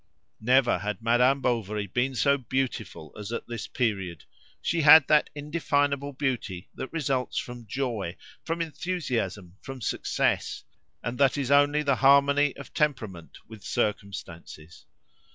Never had Madame Bovary been so beautiful as at this period; she had that indefinable beauty that results from joy, from enthusiasm, from success, and that is only the harmony of temperament with circumstances.